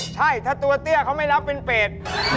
ใช่ถ้าตัวเตี้ยเขาไม่รับเป็นเปรต